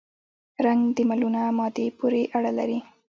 رنګ د ملونه مادې پورې اړه لري.